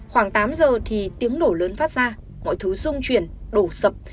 khoảng tám giờ thì tiếng nổ lớn phát ra mọi thứ dung chuyển đổ sập